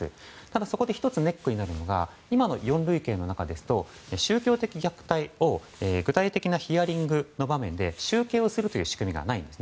そこで１つネックが今の４類型では宗教的虐待を具体的なヒアリングの場面で集計をする仕組みがないんです。